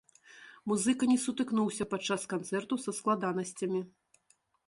Музыка не сутыкнуўся падчас канцэрту са складанасцямі.